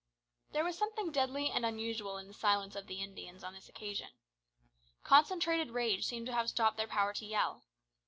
There was something deadly and unusual in the silence of the Indians on this occasion. Concentrated rage seemed to have stopped their power to yell.